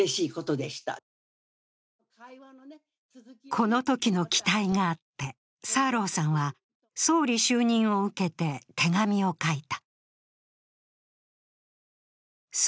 このときの期待があって、サーローさんは総理就任を受けて手紙を書いた。